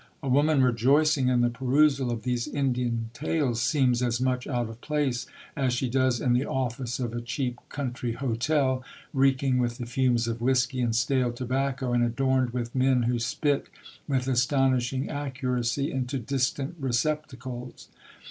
A woman rejoicing in the perusal of these Indian tales seems as much out of place as she does in the office of a cheap country hotel, reeking with the fumes of whiskey and stale tobacco, and adorned with men who spit with astonishing accuracy into distant receptacles.